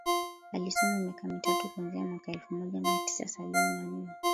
Alisoma miaka mitatu kuanzia mwaka elfu moja mia tisa sabini na nne